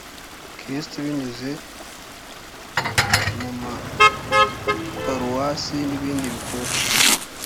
Kristu binyuze mu maparuwasi nibindi bikorwa